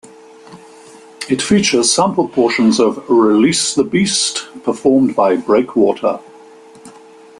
It features sampled portions of "Release the Beast" performed by Breakwater.